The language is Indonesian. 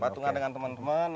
patungan dengan teman teman